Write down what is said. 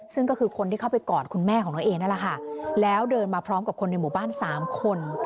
ซึ่งก็คือคนที่เข้าไปกอดคุณแม่ของน้องเอนั่นแหละค่ะแล้วเดินมาพร้อมกับคนในหมู่บ้านสามคน